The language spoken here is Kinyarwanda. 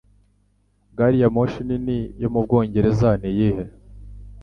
Gariyamoshi nini yo mu Bwongereza niyihe?